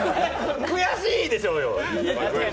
悔しいでしょうよ。